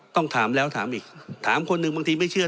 ต้องถามแล้วถามอีกถามคนหนึ่งบางทีไม่เชื่อ